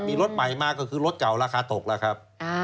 มีรถใหม่มาก็คือรถเก่าราคาตกแล้วครับ